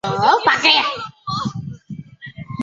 阿丽安萝德中扮演了其最重要的角色。